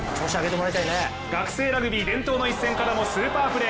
学生ラグビー伝統の一戦からもスーパープレー。